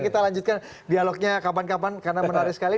kita lanjutkan dialognya kapan kapan karena menarik sekali